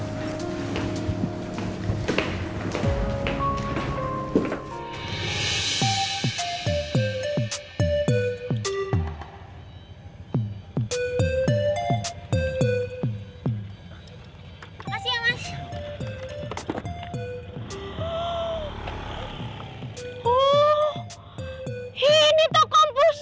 terima kasih mas